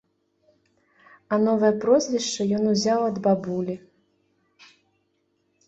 А новае прозвішча ён узяў ад бабулі.